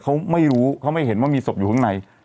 เขาไม่รู้เขาไม่เห็นว่ามีศพอยู่ข้างใน